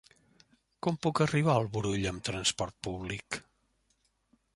Com puc arribar al Brull amb trasport públic?